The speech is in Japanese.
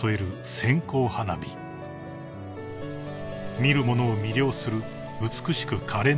［見る者を魅了する美しくかれんな火花］